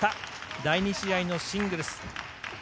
第２試合のシングルス。